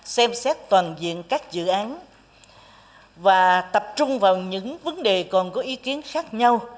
xem xét toàn diện các dự án và tập trung vào những vấn đề còn có ý kiến khác nhau